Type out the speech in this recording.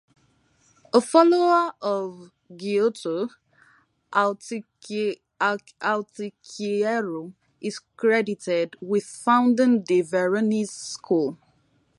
A follower of Giotto, Altichiero is credited with founding the Veronese school.